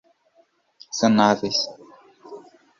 sanáveis